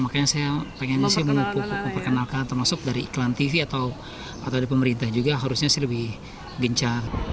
makanya saya pengennya sih memperkenalkan termasuk dari iklan tv atau dari pemerintah juga harusnya sih lebih gencar